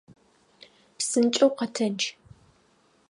Псынкӏэу къэтэдж!